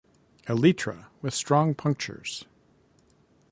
Elytra with strong punctures.